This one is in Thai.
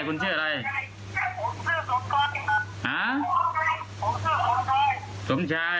ผมชื่อสมชาย